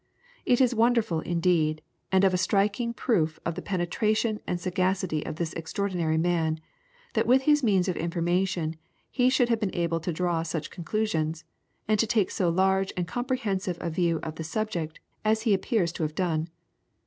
It is wonderful indeed, and a striking proof of the penetration and sagacity of this extraordinary man, that with his means of information he should have been able to draw such conclusions, and to take so large and comprehensive a view of the subject as he appears to have done."